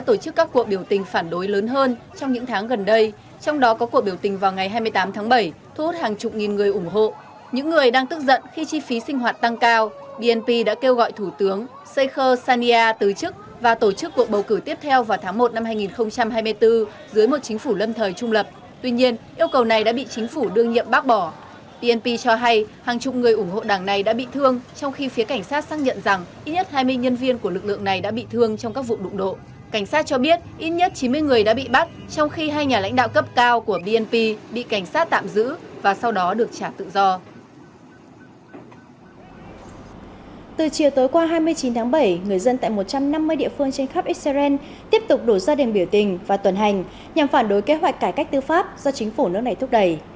từ chiều tối qua hai mươi chín tháng bảy người dân tại một trăm năm mươi địa phương trên khắp israel tiếp tục đổ ra đền biểu tình và tuần hành nhằm phản đối kế hoạch cải cách tư pháp do chính phủ nước này thúc đẩy